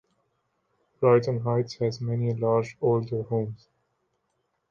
Brighton Heights has many large, older homes.